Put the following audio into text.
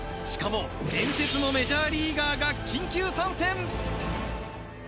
しかも伝説のメジャーリーガーが緊急参戦